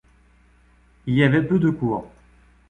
Il y avait peu de cours.